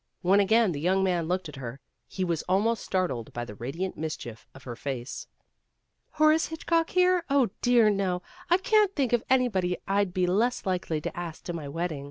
When again the young man looked at her, he was almost startled by the radiant mischief of her face. "Horace Hitchcock here? Oh, dear, no! I can't think of anybody I'd be less likely to ask to my wedding.